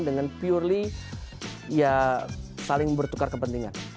dengan purely ya saling bertukar kepentingan